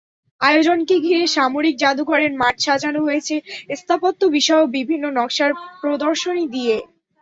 আয়োজনকে ঘিরে সামরিক জাদুঘরের মাঠ সাজানো হয়েছে স্থাপত্যবিষয়ক বিভিন্ন নকশার প্রদর্শনী দিয়ে।